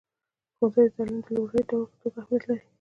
ښوونځی د تعلیم د لومړني دور په توګه اهمیت لري.